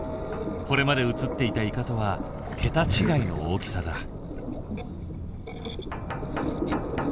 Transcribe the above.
これまで映っていたイカとは桁違いの大きさだ。